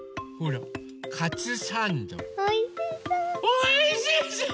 おいしそう！